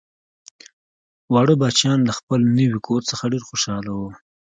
واړه بچیان له خپل نوي کور څخه ډیر خوشحاله وو